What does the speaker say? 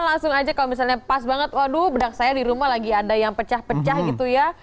langsung aja kalau misalnya pas banget waduh bedak saya di rumah lagi ada yang pecah pecah gitu ya